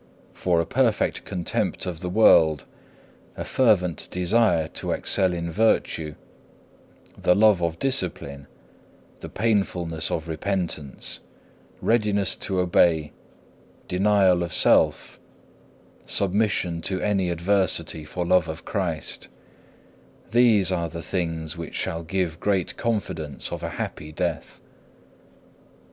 For a perfect contempt of the world, a fervent desire to excel in virtue, the love of discipline, the painfulness of repentance, readiness to obey, denial of self, submission to any adversity for love of Christ; these are the things which shall give great confidence of a happy death.